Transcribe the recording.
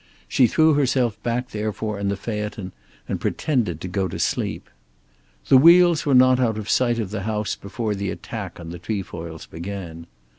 She threw herself back therefore in the phaeton and pretended to go to sleep. The wheels were not out of sight of the house before the attack on the Trefoils began.